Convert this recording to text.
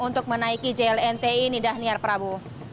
untuk menaiki jlnt ini dhaniar prabu